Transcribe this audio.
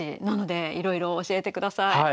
なのでいろいろ教えてください。